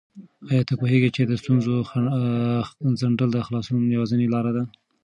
آیا ته پوهېږې چې د ستونزو څنډل د خلاصون یوازینۍ لاره ده؟